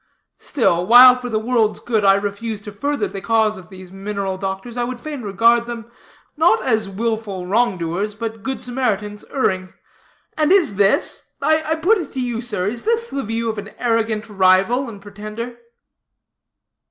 Still, while for the world's good I refuse to further the cause of these mineral doctors, I would fain regard them, not as willful wrong doers, but good Samaritans erring. And is this I put it to you, sir is this the view of an arrogant rival and pretender?"